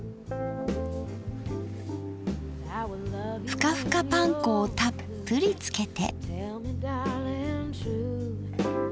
ふかふかパン粉をたっぷりつけて。